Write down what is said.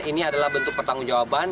ini adalah bentuk pertanggung jawaban